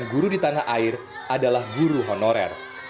enam puluh persen guru di tanah air adalah guru honorer